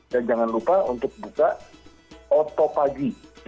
dan jangan lupa untuk buka oto pagi